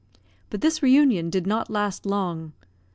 But this re union did not last long.